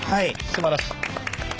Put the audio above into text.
すばらしい。